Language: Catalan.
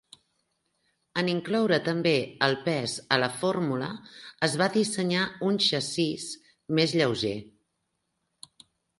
En incloure també el pes a la fórmula, es va dissenyar un xassís més lleuger.